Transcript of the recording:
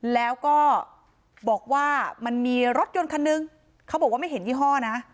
แล้วก็บอกว่ามันมีรถยนต์คันนึงเขาบอกว่าไม่เห็นยี่ห้อนะ